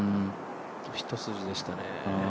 一筋でしたね。